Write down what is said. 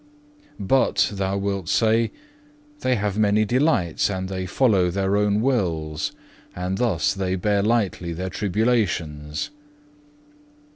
3. "'But,' thou wilt say, 'they have many delights, and they follow their own wills, and thus they bear lightly their tribulations.